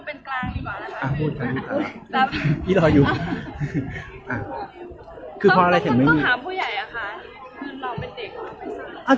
ต้องถามผู้ใหญ่อะค่ะคือเราเป็นเด็กเราไม่สร้าง